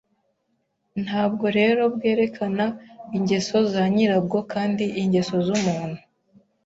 Ntabwo rero bwerekana ingeso za nyirabwo kandi ingeso z’umuntu